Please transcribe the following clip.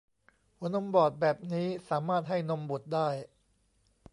หัวนมบอดแบบนี้สามารถให้นมบุตรได้